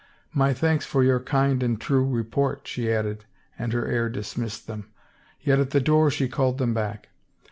" My thanks for your kind and true report,'* she added and her air dismissed them. Yet at the door she called them back.